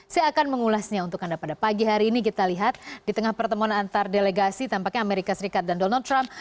saya akan mengulasnya untuk anda pada pagi hari ini kita lihat di tengah pertemuan antar delegasi tampaknya amerika serikat dan donald trump